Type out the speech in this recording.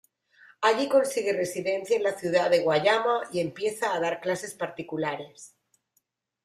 Allí consigue residencia en la ciudad de Guayama y empieza a dar clases particulares.